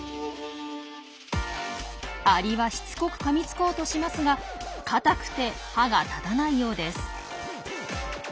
アリはしつこくかみつこうとしますが硬くて歯が立たないようです。